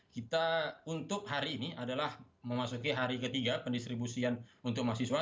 kita untuk hari ini adalah memasuki hari ketiga pendistribusian untuk mahasiswa